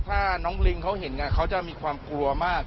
ถ้าน้องลิงเขาเห็นเขาจะมีความกลัวมาก